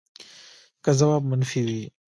که ځواب منفي وي